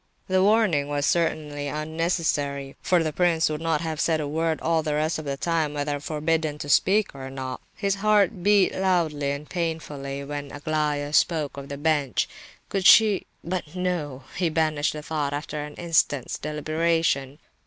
The warning was certainly unnecessary; for the prince would not have said a word all the rest of the time whether forbidden to speak or not. His heart beat loud and painfully when Aglaya spoke of the bench; could she—but no! he banished the thought, after an instant's deliberation.